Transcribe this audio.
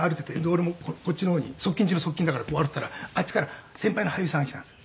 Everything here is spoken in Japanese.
俺もこっちの方に側近中の側近だから歩いていたらあっちから先輩の俳優さんが来たんです。